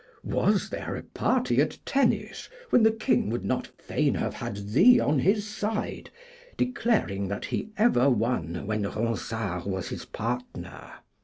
Was there a party at tennis when the king would not fain have had thee on his side, declaring that he ever won when Ronsard was his partner?